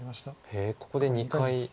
へえここで２回。